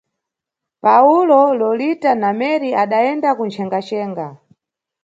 Pawulo, Lolita na Meri adayenda kunchengaxenga.